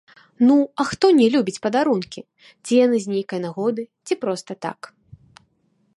Ну, а хто не любіць падарункі, ці яны з нейкай нагоды, ці проста так?